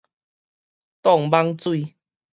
擋蠓水